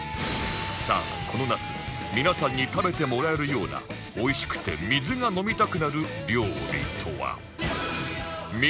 さあこの夏皆さんに食べてもらえるようなおいしくて水が飲みたくなる料理とは？